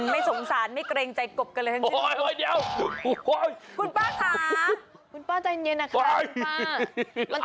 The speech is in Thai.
ไม่สงสารไม่เกรงใจกบกันเลยทั้งนี้